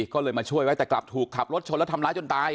ก็เลยมาช่วยไว้แต่กลับถูกขับรถชนแล้วทำร้ายจนตาย